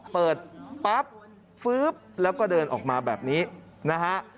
เปิดปั๊บฟื๊บแล้วก็เดินออกมาแบบนี้นะฮะ